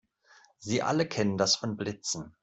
Sie alle kennen das von Blitzen.